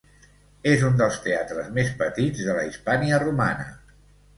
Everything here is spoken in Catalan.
És un dels teatres més petits de la Hispània romana.